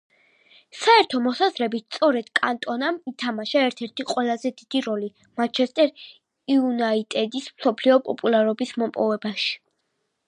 საერთო მოსაზრებით სწორედ კანტონამ ითამაშა ერთ-ერთი ყველაზე დიდი როლი მანჩესტერ იუნაიტედის მსოფლიო პოპულარობის მოპოვებაში.